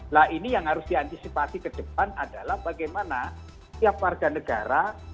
nah ini yang harus diantisipasi ke depan adalah bagaimana tiap warga negara